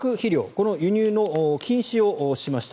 この輸入の禁止をしました。